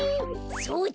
そうだ！